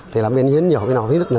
thì làm bên hiến nhiều bên nào